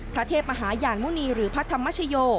พระเทพมหายานมุณีหรือพระธรรมชโย